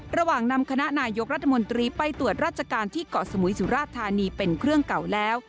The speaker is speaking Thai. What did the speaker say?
นำคณะนายกรัฐมนตรีไปตรวจราชการที่เกาะสมุยสุราชธานีเป็นเครื่องเก่าแล้ว